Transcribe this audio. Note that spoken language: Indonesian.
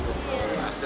memunggahkan kita lah